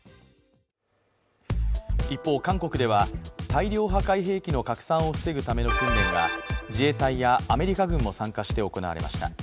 一方、韓国では大量破壊兵器の拡散を防ぐための訓練が自衛隊やアメリカ軍も参加して行われました。